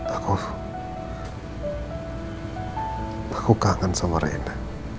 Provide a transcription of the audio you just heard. aku kangen sama reina